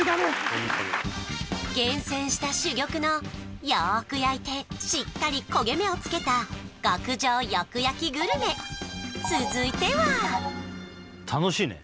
ホントに厳選した珠玉のよく焼いてしっかり焦げ目をつけた極上よく焼きグルメ続いては楽しいね